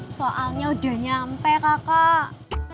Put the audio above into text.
soalnya udah nyampe kakak